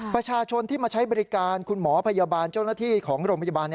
ประชาชนที่มาใช้บริการคุณหมอพยาบาลเจ้าหน้าที่ของโรงพยาบาล